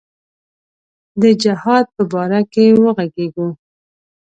د جهاد په باره کې وږغیږو.